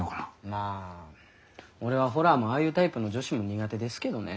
まあ俺はホラーもああいうタイプの女子も苦手ですけどね。